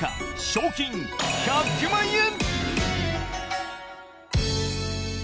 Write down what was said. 賞金１００万円！